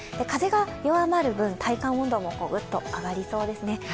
風が弱まる分、体感温度もグッと上がりそうですね。